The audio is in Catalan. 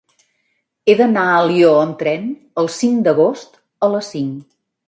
He d'anar a Alió amb tren el cinc d'agost a les cinc.